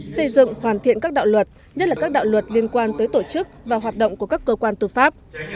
xây dựng hoàn thiện các đạo luật nhất là các đạo luật liên quan tới tổ chức và hoạt động của các cơ quan tư pháp